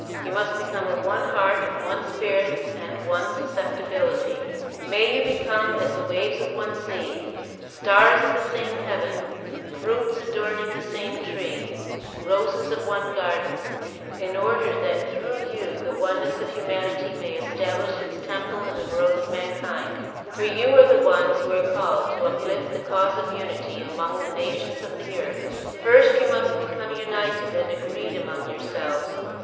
You must become of one heart, one spirit and one susceptibility. May you become as the waves of 210 THE PROMULGATION OF UNIVERSAL PEACE one sea, stars of the same heaven, fruits adorning the same tree, roses of one garden; in order that through you the oneness of humanity may establish its temple in the world of mankind, for you are the ones who are called to uplift the cause of unity among the nations of the earth. First, you must become united and agreed among yourselves.